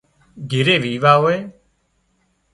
گھري ويوا هوئي